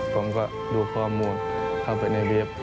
ผมก็ดูข้อมูลเข้าไปในเว็บ